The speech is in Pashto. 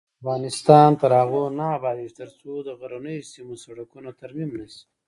افغانستان تر هغو نه ابادیږي، ترڅو د غرنیو سیمو سړکونه ترمیم نشي.